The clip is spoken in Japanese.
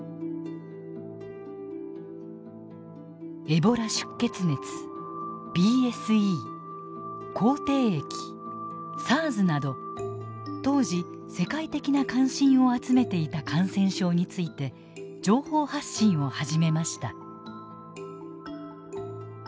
エボラ出血熱ＢＳＥ口蹄疫ＳＡＲＳなど当時世界的な関心を集めていた感染症について情報発信を始めました。